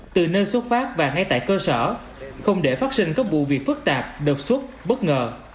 từ nơi xuất phát và ngay tại cơ sở không để phát sinh các vụ việc phức tạp đột xuất bất ngờ